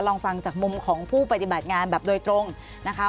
ลองฟังจากมุมของผู้ปฏิบัติงานแบบโดยตรงนะคะ